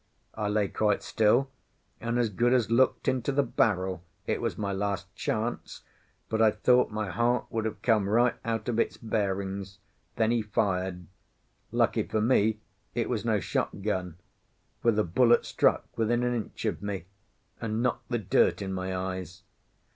I lay quite still, and as good as looked into the barrel: it was my last chance, but I thought my heart would have come right out of its bearings. Then he fired. Lucky for me it was no shot gun, for the bullet struck within an inch of me and knocked the dirt in my eyes.